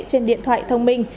trên điện thoại thông minh